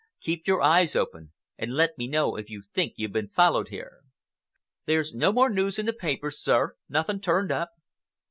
Keep your eyes open, and let me know if you think you've been followed here." "There's no more news in the papers, sir? Nothing turned up?"